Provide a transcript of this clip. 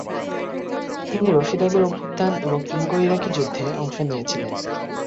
তিনি রশিদ আলির অভ্যুত্থান এবং ইঙ্গ-ইরাকি যুদ্ধে অংশ নিয়েছিলেন।